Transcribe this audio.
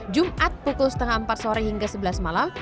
jumat pukul setengah empat sore hingga sebelas malam